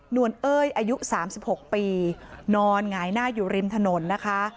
วลเอ้ยอายุ๓๖ปีนอนหงายหน้าอยู่ริมถนนนะคะ